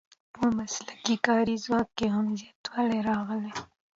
په مسلکي کاري ځواک کې هم زیاتوالی راغلی.